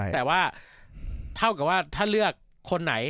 แต่ว่าถ้าเลือกคนไหน